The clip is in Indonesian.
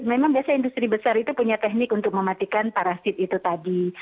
memang biasanya industri besar itu punya teknik untuk mematikan parasit itu tadi